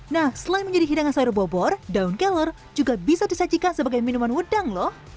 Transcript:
nah selain menjadi hidangan sayur bobor daun kelor juga bisa disajikan sebagai minuman udang lho